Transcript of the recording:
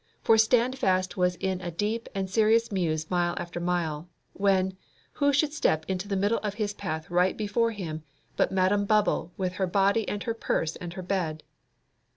For Standfast was in a deep and serious muse mile after mile, when, who should step into the middle of his path right before him but Madam Bubble with her body and her purse and her bed?